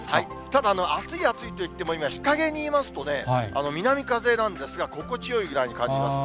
ただ、暑い暑いといっても、今、日陰にいますとね、南風なんですが、心地よいぐらいに感じます。